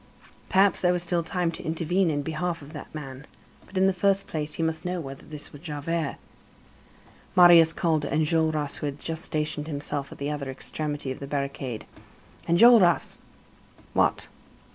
Perhaps there was still time to intervene in behalf of that man. But, in the first place, he must know whether this was Javert. Marius called to Enjolras, who had just stationed himself at the other extremity of the barricade: "Enjolras!" "What?"